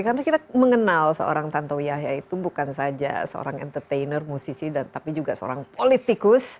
karena kita mengenal seorang tantowi yahya itu bukan saja seorang entertainer musisi tapi juga seorang politikus